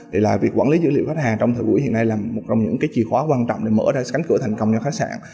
thì là việc quản lý dữ liệu khách hàng trong thời buổi hiện nay là một trong những cái chìa khóa quan trọng để mở ra cánh cửa thành công cho khách sạn